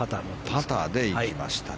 パターで行きました。